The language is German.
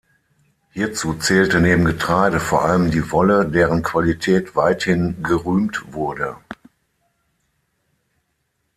Hierzu zählte neben Getreide vor allem die Wolle, deren Qualität weithin gerühmt wurde.